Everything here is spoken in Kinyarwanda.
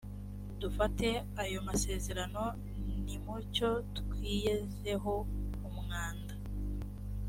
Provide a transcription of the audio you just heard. dufate ayo masezerano nimucyo twiyezeho umwanda